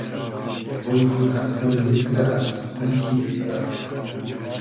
بوی خو رۂ گول میگرۂ از بویی دیدۂ